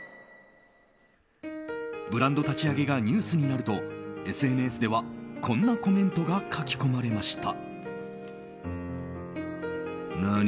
ブランド立ち上げがニュースになるとＳＮＳでは、こんなコメントが書き込まれました。